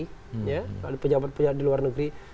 kalau pejabat pejabat di luar negeri